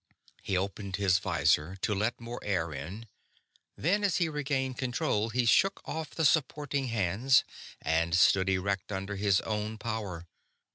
He opened his visor to let more air in; then, as he regained control, he shook off the supporting hands and stood erect under his own power.